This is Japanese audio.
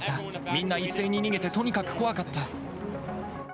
みんな一斉に逃げて、とにかく怖かった。